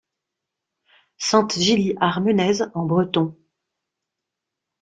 Sant-Jili-ar-Menez en breton.